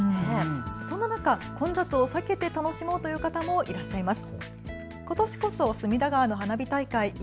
そんな中、混雑を避けて楽しもうという方もいらっしゃいます。